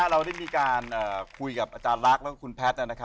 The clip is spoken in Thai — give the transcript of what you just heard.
เราได้มีการคุยกับอรักษ์และแพทย์